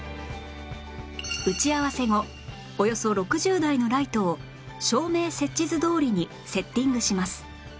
打ち合わせ後およそ６０台のライトを照明設置図どおりにセッティングします